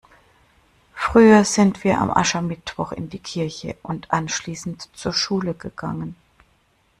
Früher sind wir an Aschermittwoch in die Kirche und anschließend zur Schule gegangen.